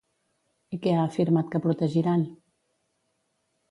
I què ha afirmat que protegiran?